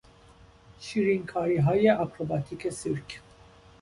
شیرینکاریهای آکروبات سیرک